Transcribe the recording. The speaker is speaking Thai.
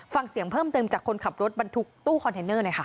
ฟังเสียงเพิ่มเติมจากคนขับรถบรรทุกตู้คอนเทนเนอร์หน่อยค่ะ